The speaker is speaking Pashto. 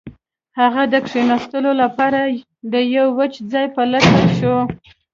هغه د کښیناستلو لپاره د یو وچ ځای په لټه شو